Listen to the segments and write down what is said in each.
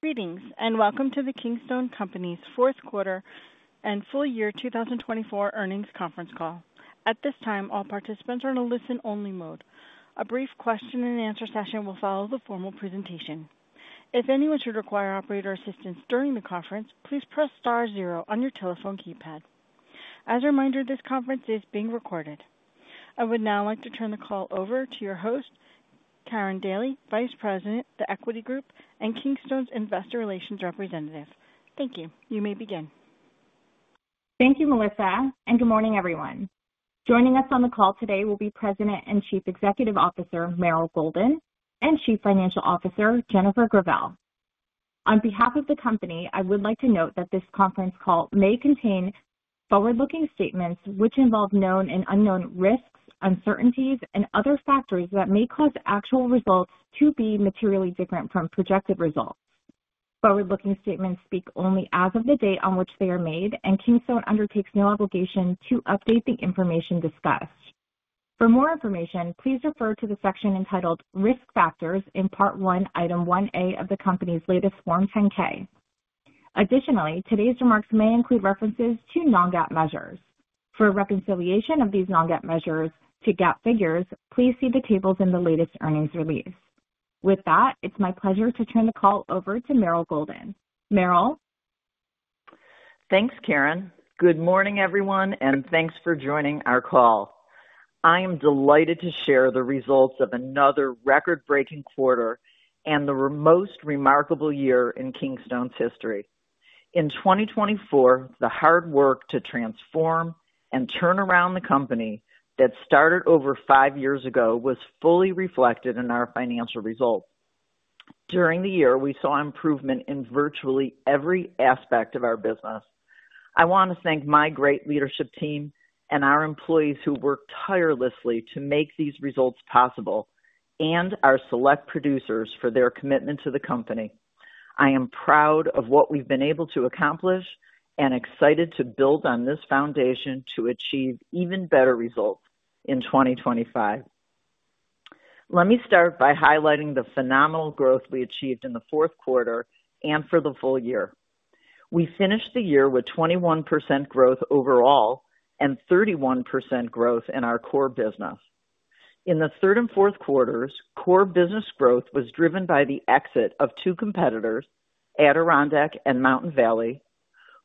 Greetings and welcome to the Kingstone Companies Fourth Quarter and Full Year 2024 Earnings Conference Call. At this time, all participants are in a listen-only mode. A brief question-and-answer session will follow the formal presentation. If anyone should require operator assistance during the conference, please press star zero on your telephone keypad. As a reminder, this conference is being recorded. I would now like to turn the call over to your host, Karin Daly, Vice President, The Equity Group, and Kingstone's Investor Relations Representative. Thank you. You may begin. Thank you, Melissa, and good morning, everyone. Joining us on the call today will be President and Chief Executive Officer Meryl Golden and Chief Financial Officer Jennifer Gravelle. On behalf of the company, I would like to note that this conference call may contain forward-looking statements which involve known and unknown risks, uncertainties, and other factors that may cause actual results to be materially different from projected results. Forward-looking statements speak only as of the date on which they are made, and Kingstone undertakes no obligation to update the information discussed. For more information, please refer to the section entitled Risk Factors in Part I, Item 1A of the company's latest Form 10-K. Additionally, today's remarks may include references to non-GAAP measures. For reconciliation of these non-GAAP measures to GAAP figures, please see the tables in the latest earnings release. With that, it's my pleasure to turn the call over to Meryl Golden. Meryl. Thanks, Karin. Good morning, everyone, and thanks for joining our call. I am delighted to share the results of another record-breaking quarter and the most remarkable year in Kingstone's history. In 2024, the hard work to transform and turn around the company that started over five years ago was fully reflected in our financial results. During the year, we saw improvement in virtually every aspect of our business. I want to thank my great leadership team and our employees who worked tirelessly to make these results possible and our Select producers for their commitment to the company. I am proud of what we've been able to accomplish and excited to build on this foundation to achieve even better results in 2025. Let me start by highlighting the phenomenal growth we achieved in the fourth quarter and for the full year. We finished the year with 21% growth overall and 31% growth in our core business. In the third and fourth quarters, core business growth was driven by the exit of two competitors, Adirondack and Mountain Valley,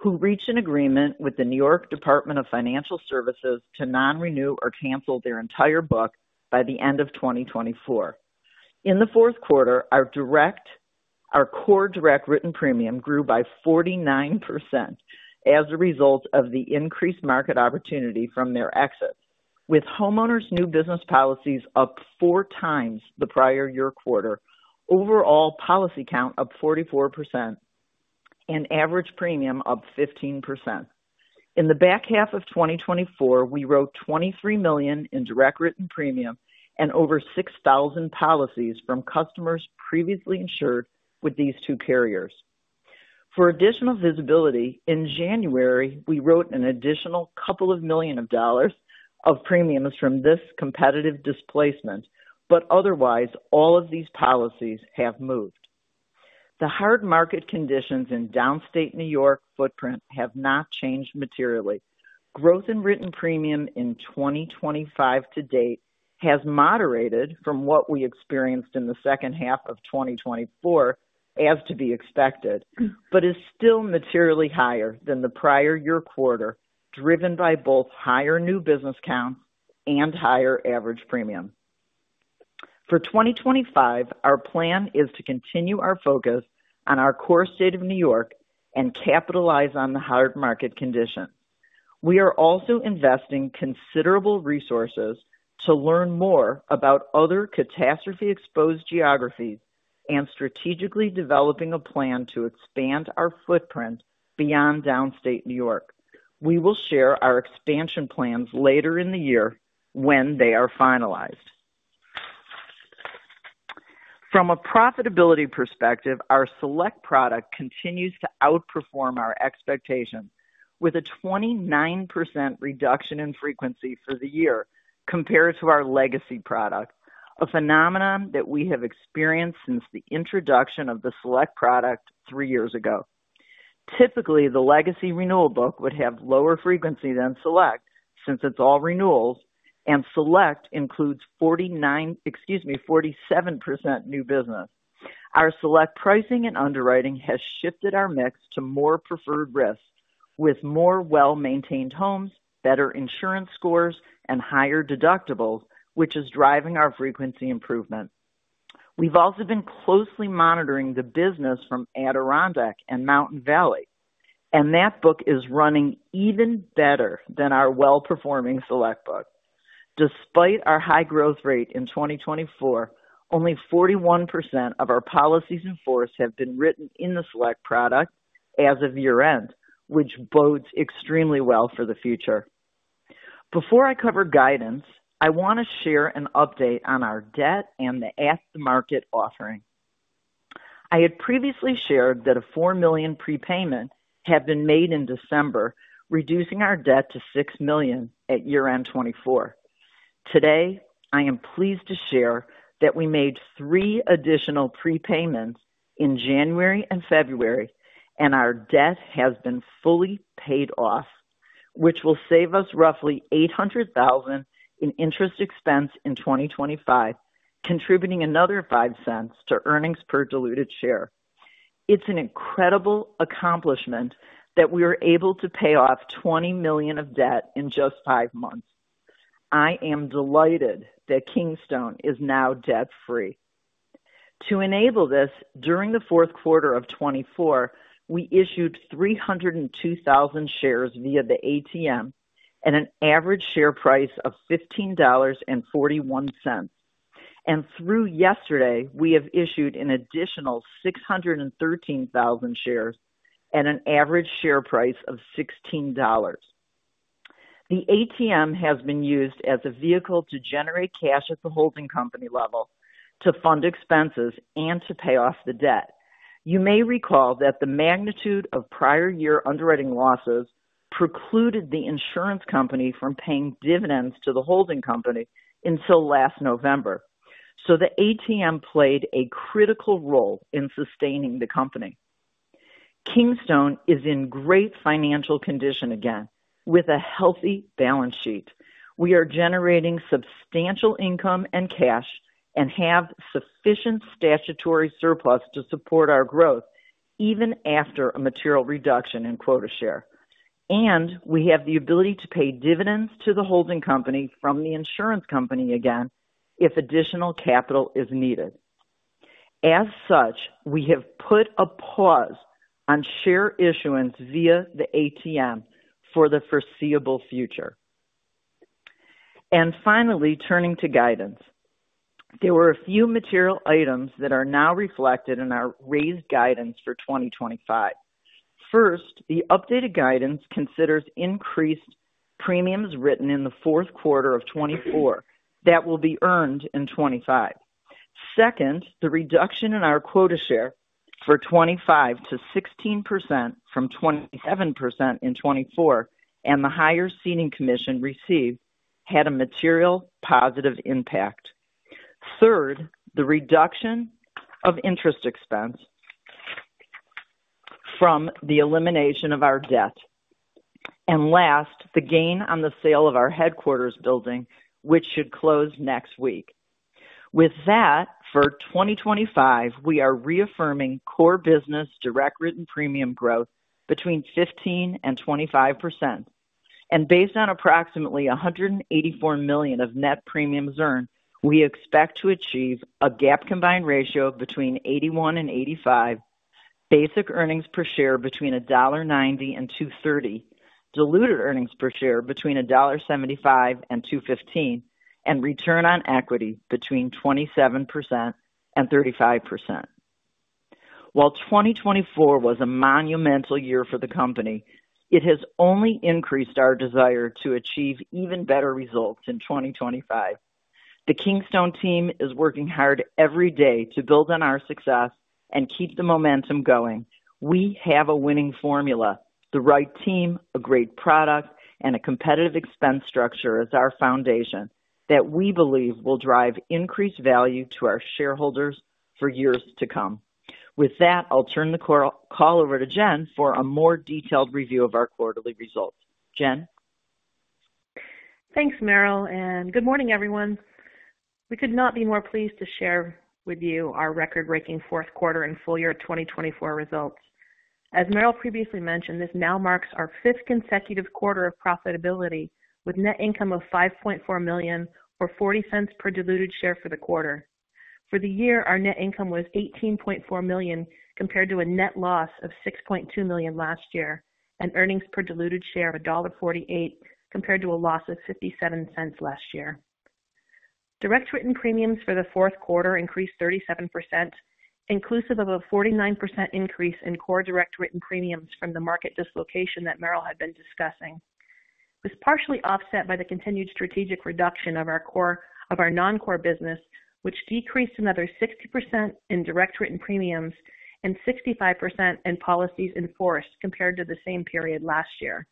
who reached an agreement with the New York Department of Financial Services to not renew or cancel their entire book by the end of 2024. In the fourth quarter, our core direct written premium grew by 49% as a result of the increased market opportunity from their exit, with homeowners new business policies up four times the prior year quarter, overall policy count of 44%, and average premium of 15%. In the back half of 2024, we wrote $23 million in direct written premium and over 6,000 policies from customers previously insured with these two carriers. For additional visibility, in January, we wrote an additional couple of million dollars of premiums from this competitive displacement, but otherwise, all of these policies have moved. The hard market conditions in downstate New York footprint have not changed materially. Growth in written premium in 2025 to date has moderated from what we experienced in the second half of 2024, as to be expected, but is still materially higher than the prior year quarter, driven by both higher new business counts and higher average premium. For 2025, our plan is to continue our focus on our core state of New York and capitalize on the hard market conditions. We are also investing considerable resources to learn more about other catastrophe-exposed geographies and strategically developing a plan to expand our footprint beyond downstate New York. We will share our expansion plans later in the year when they are finalized. From a profitability perspective, our Select product continues to outperform our expectations with a 29% reduction in frequency for the year compared to our legacy product, a phenomenon that we have experienced since the introduction of the Select product three years ago. Typically, the legacy renewal book would have lower frequency than Select since it's all renewals, and Select includes 49%, excuse me, 47% new business. Our Select pricing and underwriting has shifted our mix to more preferred risks with more well-maintained homes, better insurance scores, and higher deductibles, which is driving our frequency improvement. We've also been closely monitoring the business from Adirondack and Mountain Valley, and that book is running even better than our well-performing Select book. Despite our high growth rate in 2024, only 41% of our policies in force have been written in the Select product as of year-end, which bodes extremely well for the future. Before I cover guidance, I want to share an update on our debt and the ATM offering. I had previously shared that a $4 million prepayment had been made in December, reducing our debt to $6 million at year-end 2024. Today, I am pleased to share that we made three additional prepayments in January and February, and our debt has been fully paid off, which will save us roughly $800,000 in interest expense in 2025, contributing another $0.05 to earnings per diluted share. It's an incredible accomplishment that we were able to pay off $20 million of debt in just five months. I am delighted that Kingstone is now debt-free. To enable this, during the fourth quarter of 2024, we issued 302,000 shares via the ATM at an average share price of $15.41, and through yesterday, we have issued an additional 613,000 shares at an average share price of $16. The ATM has been used as a vehicle to generate cash at the holding company level to fund expenses and to pay off the debt. You may recall that the magnitude of prior year underwriting losses precluded the insurance company from paying dividends to the holding company until last November, so the ATM played a critical role in sustaining the company. Kingstone is in great financial condition again with a healthy balance sheet. We are generating substantial income and cash and have sufficient statutory surplus to support our growth even after a material reduction in quota share, and we have the ability to pay dividends to the holding company from the insurance company again if additional capital is needed. As such, we have put a pause on share issuance via the ATM for the foreseeable future. Finally, turning to guidance, there were a few material items that are now reflected in our raised guidance for 2025. First, the updated guidance considers increased premiums written in the fourth quarter of 2024 that will be earned in 2025. Second, the reduction in our quota share for 2025 to 16% from 27% in 2024 and the higher ceding commission received had a material positive impact. Third, the reduction of interest expense from the elimination of our debt. Last, the gain on the sale of our headquarters building, which should close next week. With that, for 2025, we are reaffirming core business direct written premium growth between 15% and 25%. Based on approximately $184 million of net premiums earned, we expect to achieve a GAAP combined ratio between 81-85%, basic earnings per share between $1.90-$2.30, diluted earnings per share between $1.75-$2.15, and return on equity between 27%-35%. While 2024 was a monumental year for the company, it has only increased our desire to achieve even better results in 2025. The Kingstone team is working hard every day to build on our success and keep the momentum going. We have a winning formula: the right team, a great product, and a competitive expense structure as our foundation that we believe will drive increased value to our shareholders for years to come. With that, I'll turn the call over to Jen for a more detailed review of our quarterly results. Jen. Thanks, Meryl, and good morning, everyone. We could not be more pleased to share with you our record-breaking fourth quarter and full year 2024 results. As Meryl previously mentioned, this now marks our fifth consecutive quarter of profitability with net income of $5.4 million, or $0.40 per diluted share for the quarter. For the year, our net income was $18.4 million compared to a net loss of $6.2 million last year and earnings per diluted share of $1.48 compared to a loss of $0.57 last year. Direct written premiums for the fourth quarter increased 37%, inclusive of a 49% increase in core direct written premiums from the market dislocation that Meryl had been discussing. This is partially offset by the continued strategic reduction of our non-core business, which decreased another 60% in direct written premiums and 65% in policies in force compared to the same period last year.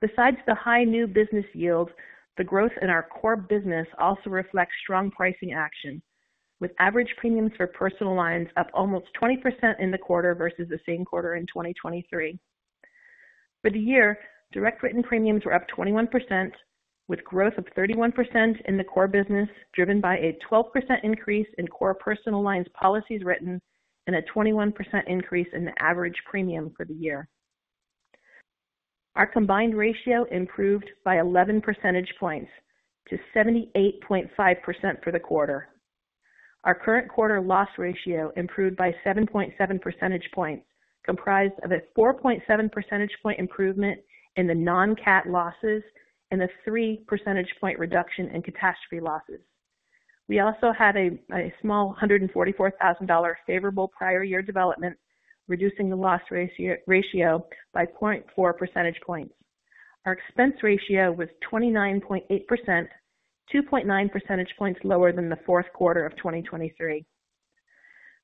Besides the high new business yields, the growth in our core business also reflects strong pricing action, with average premiums for personal lines up almost 20% in the quarter versus the same quarter in 2023. For the year, direct written premiums were up 21%, with growth of 31% in the core business driven by a 12% increase in core personal lines policies written and a 21% increase in the average premium for the year. Our combined ratio improved by 11 percentage points to 78.5% for the quarter. Our current quarter loss ratio improved by 7.7 percentage points, comprised of a 4.7 percentage point improvement in the non-cat losses and a 3 percentage point reduction in catastrophe losses. We also have a small $144,000 favorable prior year development, reducing the loss ratio by 0.4 percentage points. Our expense ratio was 29.8%, 2.9 percentage points lower than the fourth quarter of 2023.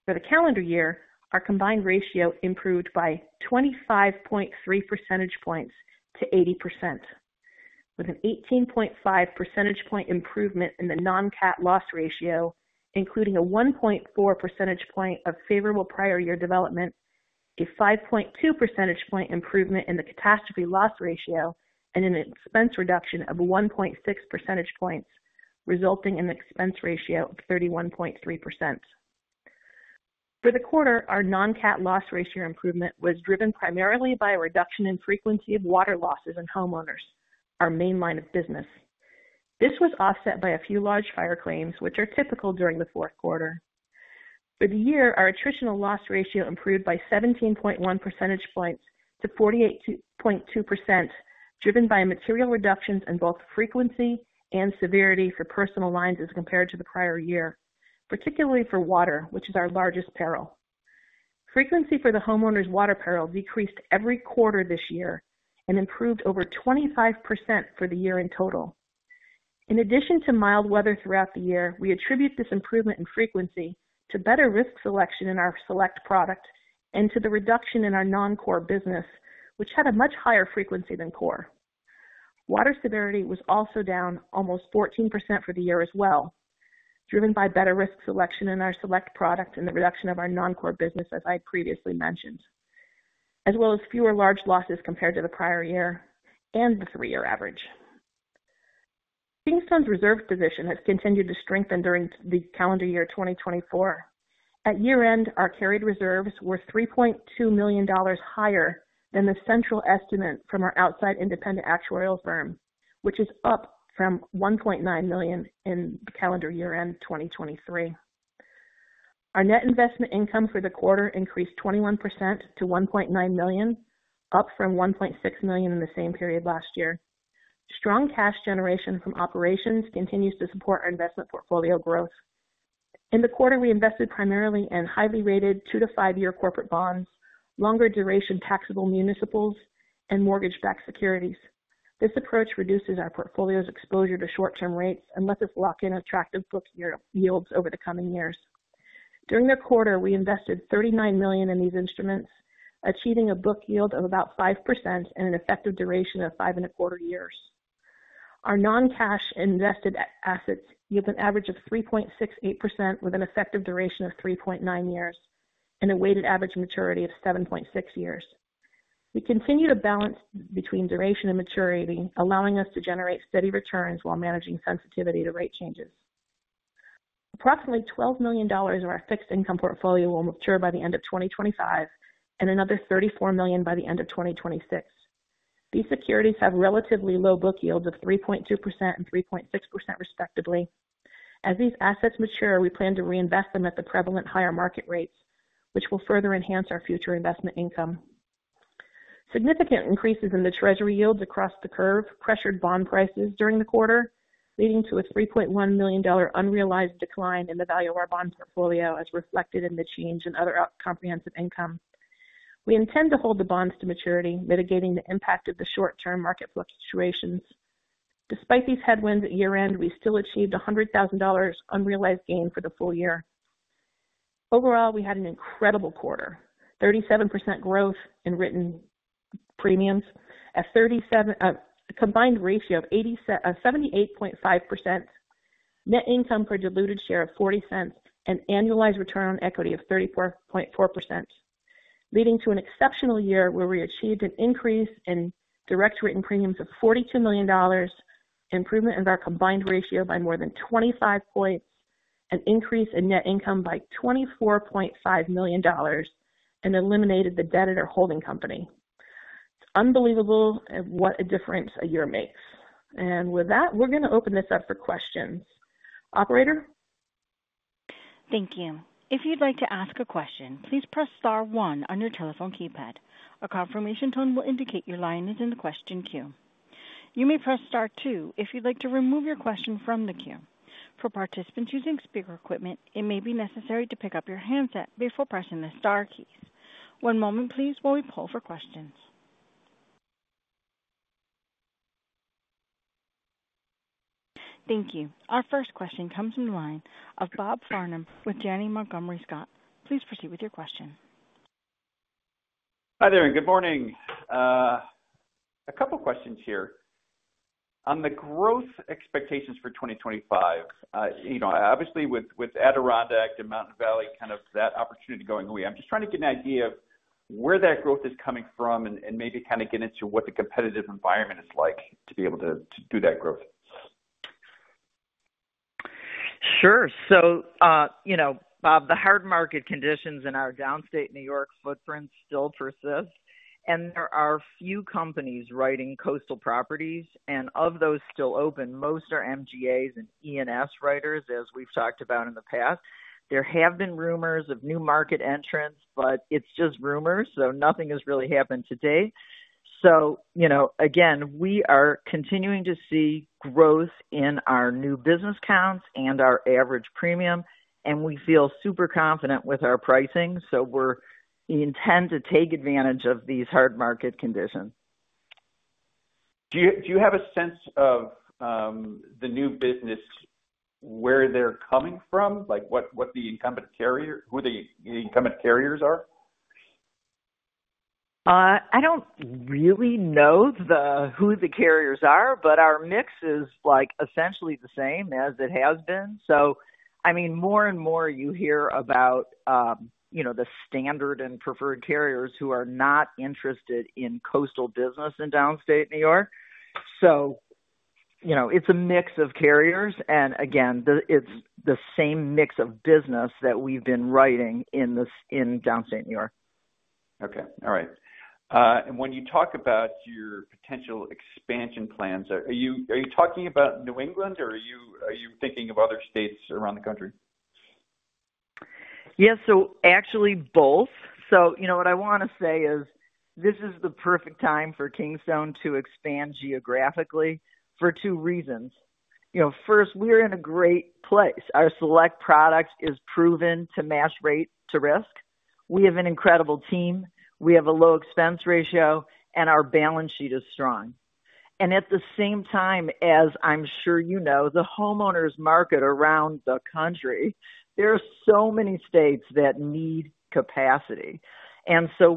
For the calendar year, our combined ratio improved by 25.3 percentage points to 80%, with an 18.5 percentage point improvement in the non-cat loss ratio, including a 1.4 percentage point of favorable prior year development, a 5.2 percentage point improvement in the catastrophe loss ratio, and an expense reduction of 1.6 percentage points, resulting in an expense ratio of 31.3%. For the quarter, our non-cat loss ratio improvement was driven primarily by a reduction in frequency of water losses in homeowners, our main line of business. This was offset by a few large fire claims, which are typical during the fourth quarter. For the year, our attritional loss ratio improved by 17.1 percentage points to 48.2%, driven by material reductions in both frequency and severity for personal lines as compared to the prior year, particularly for water, which is our largest peril. Frequency for the homeowners' water peril decreased every quarter this year and improved over 25% for the year in total. In addition to mild weather throughout the year, we attribute this improvement in frequency to better risk selection in our Select product and to the reduction in our non-core business, which had a much higher frequency than core. Water severity was also down almost 14% for the year as well, driven by better risk selection in our Select product and the reduction of our non-core business, as I previously mentioned, as well as fewer large losses compared to the prior year and the three-year average. Kingstone's reserve position has continued to strengthen during the calendar year 2024. At year-end, our carried reserves were $3.2 million higher than the central estimate from our outside independent actuarial firm, which is up from $1.9 million in the calendar year-end 2023. Our net investment income for the quarter increased 21% to $1.9 million, up from $1.6 million in the same period last year. Strong cash generation from operations continues to support our investment portfolio growth. In the quarter, we invested primarily in highly rated two-to-five-year corporate bonds, longer-duration taxable municipals, and mortgage-backed securities. This approach reduces our portfolio's exposure to short-term rates and lets us lock in attractive book yields over the coming years. During the quarter, we invested $39 million in these instruments, achieving a book yield of about 5% and an effective duration of five and a quarter years. Our non-cash invested assets yield an average of 3.68% with an effective duration of 3.9 years and a weighted average maturity of 7.6 years. We continue to balance between duration and maturity, allowing us to generate steady returns while managing sensitivity to rate changes. Approximately $12 million of our fixed income portfolio will mature by the end of 2025 and another $34 million by the end of 2026. These securities have relatively low book yields of 3.2% and 3.6% respectively. As these assets mature, we plan to reinvest them at the prevalent higher market rates, which will further enhance our future investment income. Significant increases in the Treasury yields across the curve pressured bond prices during the quarter, leading to a $3.1 million unrealized decline in the value of our bond portfolio, as reflected in the change in other comprehensive income. We intend to hold the bonds to maturity, mitigating the impact of the short-term market fluctuations. Despite these headwinds at year-end, we still achieved a $100,000 unrealized gain for the full year. Overall, we had an incredible quarter: 37% growth in written premiums, a combined ratio of 78.5%, net income per diluted share of $0.40, and annualized return on equity of 34.4%, leading to an exceptional year where we achieved an increase in direct written premiums of $42 million, improvement of our combined ratio by more than 25 percentage points, an increase in net income by $24.5 million, and eliminated the debt at our holding company. It's unbelievable what a difference a year makes. With that, we're going to open this up for questions. Operator. Thank you. If you'd like to ask a question, please press star one on your telephone keypad. A confirmation tone will indicate your line is in the question queue. You may press star two if you'd like to remove your question from the queue. For participants using speaker equipment, it may be necessary to pick up your handset before pressing the star keys. One moment, please, while we pull for questions. Thank you. Our first question comes from the line of Bob Farnham with Janney Montgomery Scott. Please proceed with your question. Hi there, and good morning. A couple of questions here on the growth expectations for 2025. Obviously, with Adirondack and Mountain Valley, kind of that opportunity going away, I'm just trying to get an idea of where that growth is coming from and maybe kind of get into what the competitive environment is like to be able to do that growth. Sure. You know, Bob, the hard market conditions in our downstate New York footprint still persist, and there are few companies writing coastal properties, and of those still open, most are MGAs and E&S writers, as we've talked about in the past. There have been rumors of new market entrants, but it's just rumors, so nothing has really happened to date. You know, again, we are continuing to see growth in our new business counts and our average premium, and we feel super confident with our pricing, so we intend to take advantage of these hard market conditions. Do you have a sense of the new business, where they're coming from, like what the incumbent carrier, who the incumbent carriers are? I don't really know who the carriers are, but our mix is like essentially the same as it has been. I mean, more and more you hear about, you know, the standard and preferred carriers who are not interested in coastal business in downstate New York. You know, it's a mix of carriers, and again, it's the same mix of business that we've been writing in downstate New York. Okay. All right. When you talk about your potential expansion plans, are you talking about New England, or are you thinking of other states around the country? Yes. Actually, both. You know, what I want to say is this is the perfect time for Kingstone to expand geographically for two reasons. First, we're in a great place. Our Select product is proven to match rate to risk. We have an incredible team. We have a low expense ratio, and our balance sheet is strong. At the same time, as I'm sure you know, the homeowners insurance market around the country, there are so many states that need capacity.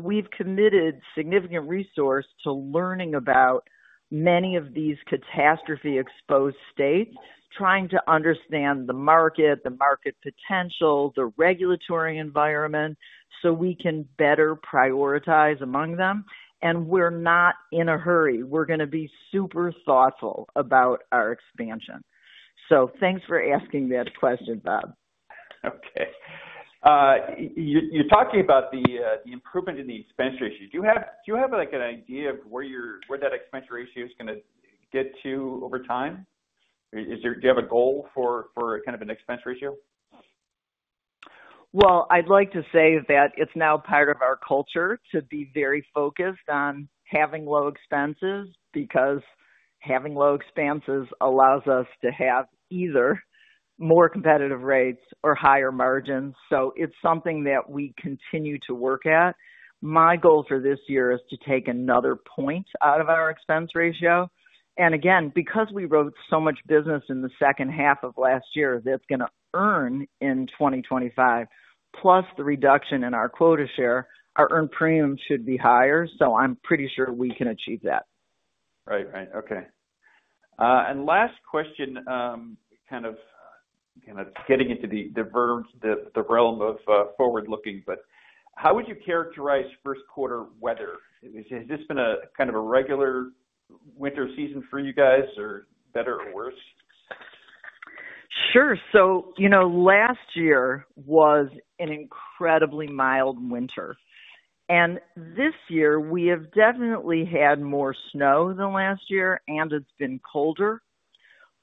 We've committed significant resources to learning about many of these catastrophe-exposed states, trying to understand the market, the market potential, the regulatory environment, so we can better prioritize among them. We're not in a hurry. We're going to be super thoughtful about our expansion. Thanks for asking that question, Bob. Okay. You're talking about the improvement in the expense ratio. Do you have like an idea of where that expense ratio is going to get to over time? Do you have a goal for kind of an expense ratio? I'd like to say that it's now part of our culture to be very focused on having low expenses because having low expenses allows us to have either more competitive rates or higher margins. So it's something that we continue to work at. My goal for this year is to take another point out of our expense ratio. And again, because we wrote so much business in the second half of last year that's going to earn in 2025, plus the reduction in our quota share, our earned premium should be higher. I'm pretty sure we can achieve that. Right. Okay. Last question, kind of getting into the realm of forward-looking, but how would you characterize first quarter weather? Has this been a kind of a regular winter season for you guys, or better or worse? Sure. You know, last year was an incredibly mild winter. This year, we have definitely had more snow than last year, and it's been colder,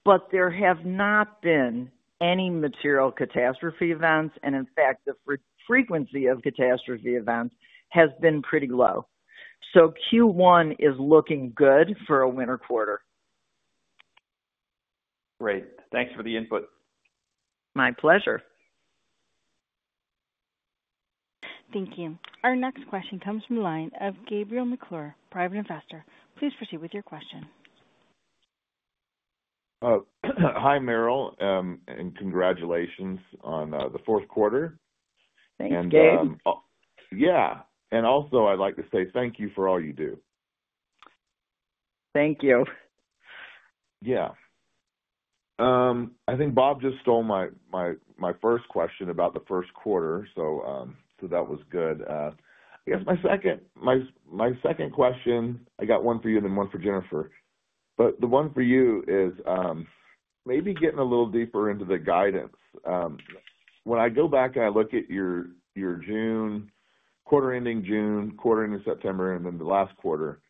but there have not been any material catastrophe events. In fact, the frequency of catastrophe events has been pretty low. Q1 is looking good for a winter quarter. Great. Thanks for the input. My pleasure. Thank you. Our next question comes from the line of Gabriel McClure, private investor. Please proceed with your question. Hi, Meryl, and congratulations on the fourth quarter. Thanks, Gabe. Yeah. I’d like to say thank you for all you do. Thank you. Yeah. I think Bob just stole my first question about the first quarter, so that was good. I guess my second question, I got one for you and then one for Jennifer. The one for you is maybe getting a little deeper into the guidance. When I go back and I look at your quarter-ending June, quarter-ending September, and then the last quarter,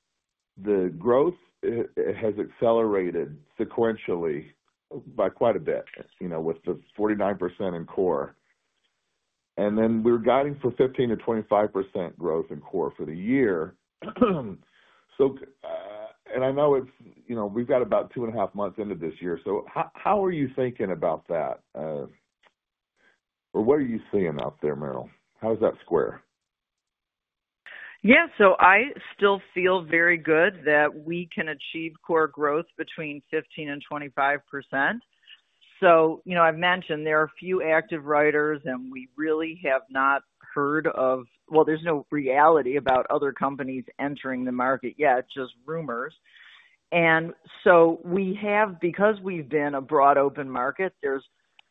the growth has accelerated sequentially by quite a bit, you know, with the 49% in core. We are guiding for 15%-25% growth in core for the year. I know we have got about two and a half months into this year. How are you thinking about that? What are you seeing out there, Meryl? How does that square? Yeah. I still feel very good that we can achieve core growth between 15% and 25%. You know, I've mentioned there are a few active writers, and we really have not heard of, well, there's no reality about other companies entering the market yet, just rumors. We have, because we've been a broad open market, there's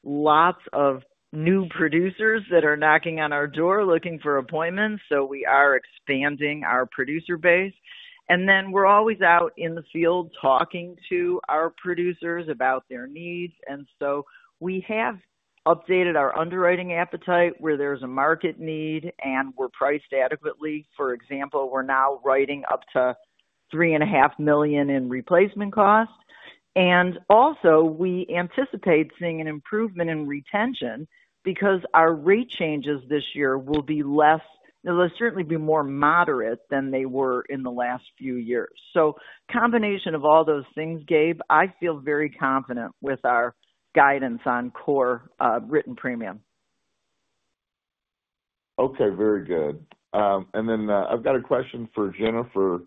lots of new producers that are knocking on our door looking for appointments. We are expanding our producer base. We're always out in the field talking to our producers about their needs. We have updated our underwriting appetite where there's a market need, and we're priced adequately. For example, we're now writing up to $3.5 million in replacement cost. We anticipate seeing an improvement in retention because our rate changes this year will be less, will certainly be more moderate than they were in the last few years. The combination of all those things, Gabe, I feel very confident with our guidance on core written premium. Okay. Very good. I have a question for Jennifer.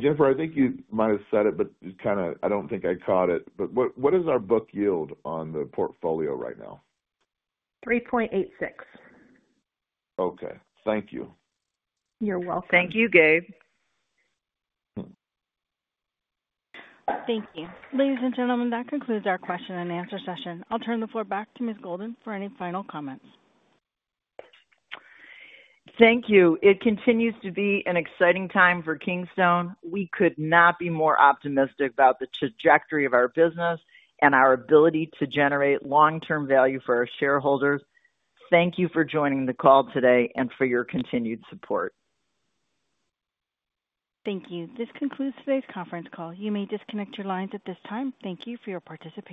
Jennifer, I think you might have said it, but I do not think I caught it, but what is our book yield on the portfolio right now? 3.86. Okay. Thank you. You're welcome. Thank you, Gabe. Thank you. Ladies and gentlemen, that concludes our question and answer session. I'll turn the floor back to Ms. Golden for any final comments. Thank you. It continues to be an exciting time for Kingstone. We could not be more optimistic about the trajectory of our business and our ability to generate long-term value for our shareholders. Thank you for joining the call today and for your continued support. Thank you. This concludes today's conference call. You may disconnect your lines at this time. Thank you for your participation.